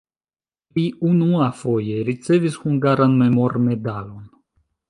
Li unuafoje ricevis hungaran memormedalon.